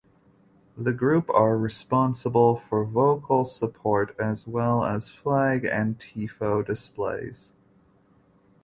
The group are responsible for vocal support as well as flag and tifo displays.